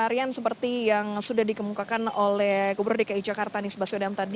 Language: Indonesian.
rian seperti yang sudah dikemukakan oleh gubernur dki jakarta